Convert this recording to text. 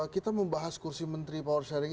kita membahas kursi menteri power sharing